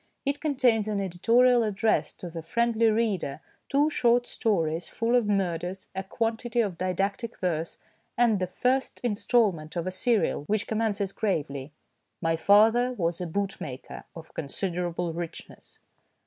It contains an editorial address to the " friendly reader," two short stories full of murders, a quantity of didactic verse, and the first instalment of a serial, which commences gravely :" My father was a bootmaker of considerable richness."